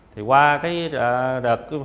thì qua cái đợt